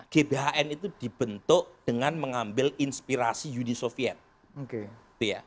gbhn itu dibentuk dengan mengambil inspirasi unisional